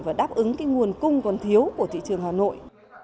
và đáp ứng cái nguồn cung còn thiếu của thị trường hà nội